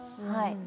はい。